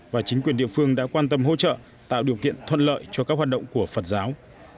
và chính quyền địa phương đã quan tâm hỗ trợ tạo điều kiện thuận lợi cho các hoạt động của phật giáo